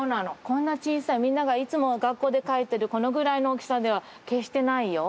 こんな小さいみんながいつも学校で描いてるこのぐらいの大きさでは決してないよ。